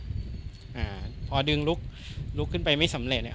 อ่าพอดึงลุกลุกขึ้นไปไม่สำเร็จเนี้ย